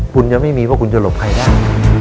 คุณยังไม่มีว่าคุณจะหลบใครได้